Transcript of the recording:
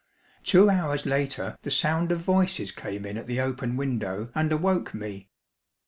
Two hours later the sound of voices came in at the open window and awoke me.